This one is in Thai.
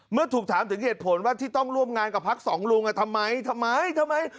เมื่อถูกถามถึงเหตุผลว่าที่ต้องร่วมงานกับพักสองลุงทำไมทำไม